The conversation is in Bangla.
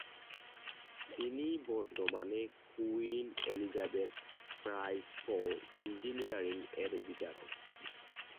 তিনি বর্তমানে Queen Elizabeth Prize for Engineering এর বিচারক।